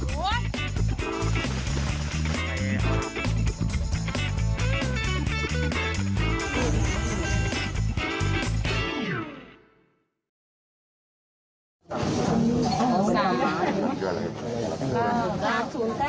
ใครจะเดินสาม๐๐๙